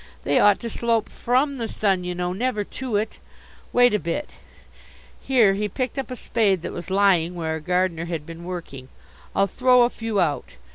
They ought to slope from the sun you know, never to it. Wait a bit" here he picked up a spade that was lying where a gardener had been working "I'll throw a few out.